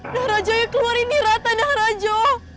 nahrajo yang keluar ini ratna nahrajo